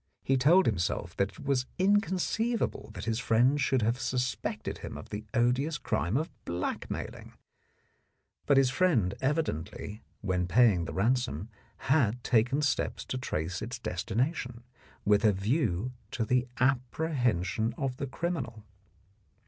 He told himself that it was incon ceivable that his friend should have suspected him of the odious crime of blackmailing, but his friend evidently when paying the ransom had taken steps to trace its destination, with a view to the appre hension of the criminal.